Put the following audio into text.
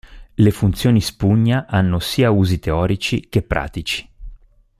Le funzioni spugna hanno sia usi teorici che pratici.